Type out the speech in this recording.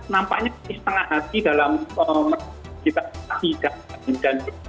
nampaknya ini setengah hati dalam kita menghasilkan data